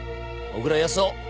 小倉靖男。